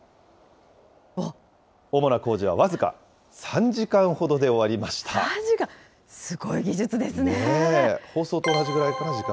主な工事は僅か３時間ほどで終わ３時間？